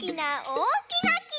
おおきなき！